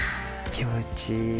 気持ちいい。